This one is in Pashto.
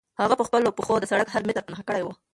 هغه په خپلو پښو د سړک هر متر په نښه کړی و.